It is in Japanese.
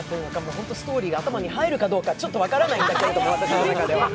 本当にストーリーが頭に入るどうか、ちょっと分からないんですけど、私の中では。